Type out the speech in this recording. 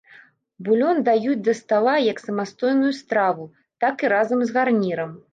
Булён даюць да стала як самастойную страву, так і разам з гарнірам.